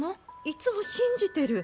いつも信じてる。